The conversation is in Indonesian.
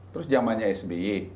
terus zamannya sby